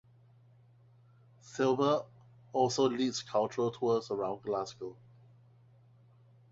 Silber also leads cultural tours around Glasgow.